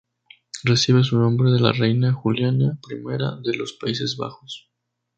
Recibe su nombre de la Reina Juliana I de los Países Bajos.